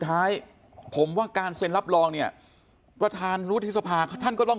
ท้ายผมว่าการเซ็นรับรองเนี่ยประธานวุฒิสภาท่านก็ต้อง